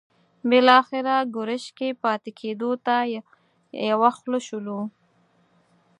بالاخره ګرشک کې پاتې کېدو ته یو خوله شولو.